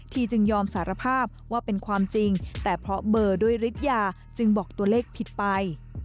จึงยอมสารภาพว่าเป็นความจริงแต่เพราะเบอร์ด้วยฤทยาจึงบอกตัวเลขผิดไป